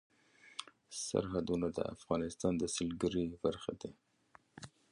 سرحدونه د افغانستان د سیلګرۍ برخه ده.